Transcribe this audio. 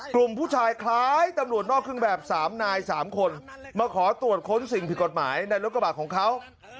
กลุ่มผู้ชายคล้ายตำรวจนอกเครื่องแบบ๓นาย๓คนมาขอตรวจค้นสิ่งผิดกฎหมายในรถกระบาดของเขา